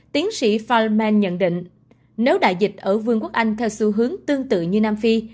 tiến sĩ fil man nhận định nếu đại dịch ở vương quốc anh theo xu hướng tương tự như nam phi